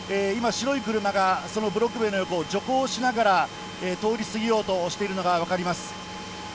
今、白い車がそのブロック塀の横を徐行しながら通り過ぎようとしているのが分かります。